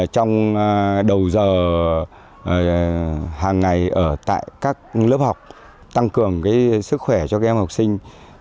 trong đầu giờ hàng ngày ở tại các lớp học tăng cường sức khỏe cho các em học sinh